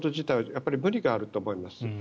やっぱり無理があると思います。